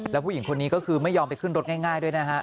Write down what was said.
แล้วผู้หญิงคนนี้ก็คือไม่ยอมไปขึ้นรถง่ายด้วยนะฮะ